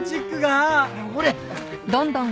ほれ。